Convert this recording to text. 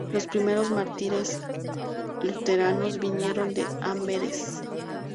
Los primeros mártires luteranos vinieron de Amberes.